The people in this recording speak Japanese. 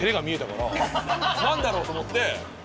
何だろう？と思って。